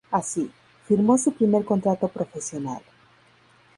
Así, firmó su primer contrato profesional.